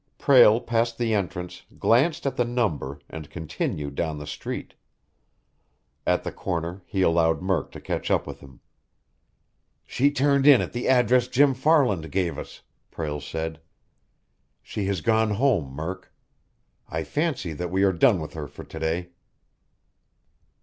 Prale passed the entrance, glanced at the number, and continued down the street. At the corner he allowed Murk to catch up with him. "She turned in at the address Jim Farland gave us," Prale said. "She has gone home, Murk. I fancy that we are done with her for to day!"